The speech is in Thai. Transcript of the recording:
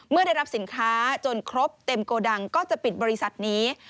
เมื่อได้รับสินค้าจนครบเต็มโกดังก็จะปิดบริษัทนี้